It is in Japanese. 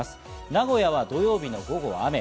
名古屋は土曜日の午後に雨。